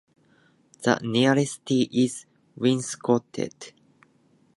The nearest city is Winschoten.